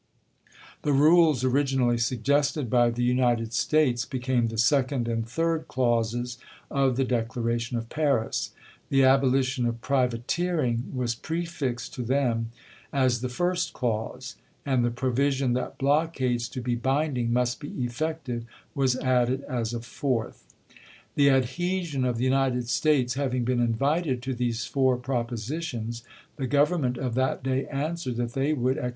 The rules originally suggested by the United States became the second and third clauses of the Declaration of Paris; the abolition of pri vateering was prefixed to them as the fii'st clause, and the provision that blockades to be binding must be effective was added as a fourth. The adhesion of the United States having been invited to these four propositions, the Government of that day answered that they would accede to Chak XV.